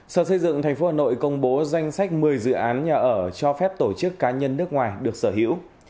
sở xây dựng tp hà nội công bố danh sách một mươi dự án nhà ở cho phép tổ chức cá nhân nước ngoài được sở hữu